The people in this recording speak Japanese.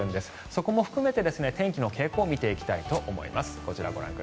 そこも含めて天気の傾向を見ていきたいと思います。